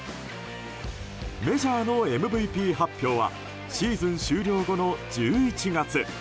メジャーのＭＶＰ発表はシーズン終了後の１１月。